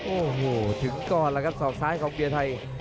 โอ้โหถึงก่อนแล้วครับศอกซ้ายของเกียร์ไทย